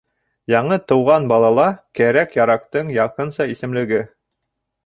Яңы тыуған балала кәрәк-ярактың якынса исемлеге: